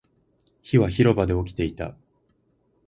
火は広場で起きていた